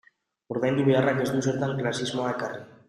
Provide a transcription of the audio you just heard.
Ordaindu beharrak ez du zertan klasismoa ekarri.